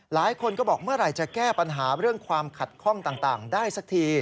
หลายคนก็บอกเมื่อไหร่จะแก้ปัญหาเรื่องความขัดข้องต่างได้สักที